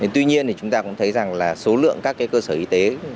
tuy nhiên chúng ta cũng thấy rằng số lượng các cơ sở y tế